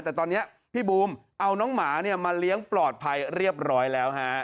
แต่ตอนนี้พี่บูมเอาน้องหมามาเลี้ยงปลอดภัยเรียบร้อยแล้วฮะ